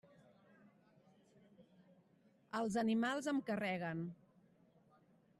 Els animals em carreguen.